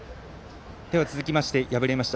続きましてやぶれました